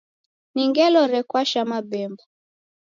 Ni ngelo rekwasha mabemba